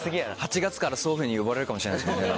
８月からそういうふうに呼ばれるかもしれないですもんね。